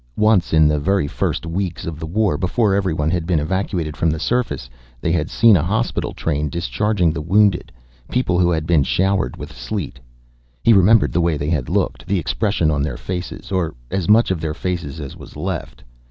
Once in the very first weeks of the war, before everyone had been evacuated from the surface, they had seen a hospital train discharging the wounded, people who had been showered with sleet. He remembered the way they had looked, the expression on their faces, or as much of their faces as was left.